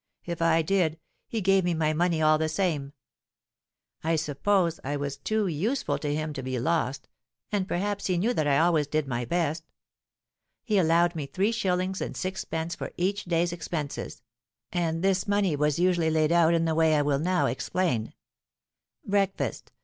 If I did, he gave me my money all the same: I suppose I was too useful to him to be lost; and perhaps he knew that I always did my best. He allowed me three shillings and sixpence for each day's expenses; and this money was usually laid out in the way I will now explain:— _Breakfast.